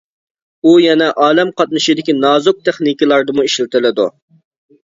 ئۇ يەنە ئالەم قاتنىشىدىكى نازۇك تېخنىكىلاردىمۇ ئىشلىتىلىدۇ.